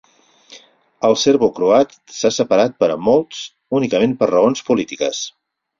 El serbocroat s'ha separat, per a molts, únicament, per raons polítiques.